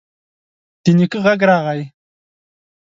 د نيکه غږ راغی: